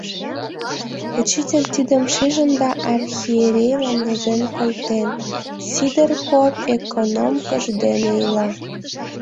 Учитель тидым шижын да архиерейлан возен колтен: «Сидыр поп экономкыж дене ила.